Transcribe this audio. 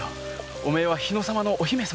お前は日野様のお姫様なんだ。